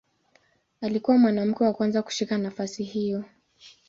Alikuwa mwanamke wa kwanza kushika nafasi hiyo.